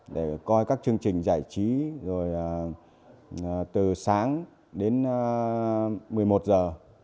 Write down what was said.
để coi các chương trình giải trí rồi từ sáng đến một mươi một giờ